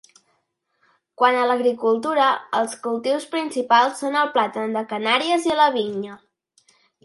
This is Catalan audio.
Quant a l'agricultura, els cultius principals són el plàtan de Canàries i la vinya.